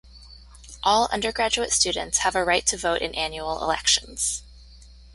All undergraduate students have a right to vote in annual elections.